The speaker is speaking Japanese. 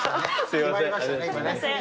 すいません。